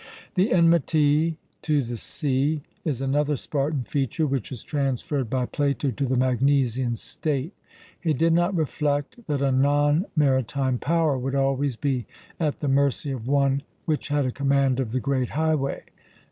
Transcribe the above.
The enmity to the sea is another Spartan feature which is transferred by Plato to the Magnesian state. He did not reflect that a non maritime power would always be at the mercy of one which had a command of the great highway.